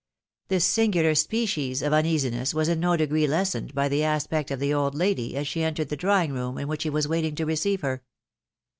This singular aperies of uneasiness was in no degree lessened by the aspect of the old lady as she entered the drawing room in which he was waiting to receive hex.